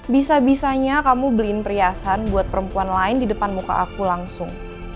bisa bisanya kamu beliin perhiasan buat perempuan lain di depan muka aku langsung